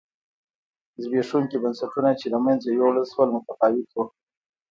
زبېښونکي بنسټونه چې له منځه یووړل شول متفاوت و.